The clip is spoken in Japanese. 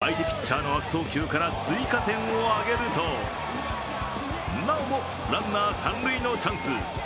エンゼルス２点リードの７回、相手ピッチャーの悪送球から追加点を挙げるとなおもランナー三塁のチャンス。